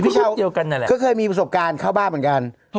พี่เช้าก็เคยมีประสบการณ์เข้าบ้านเหมือนกัน